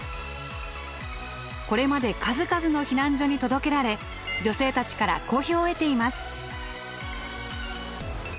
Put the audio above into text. これまで数々の避難所に届けられ女性たちから好評を得ています。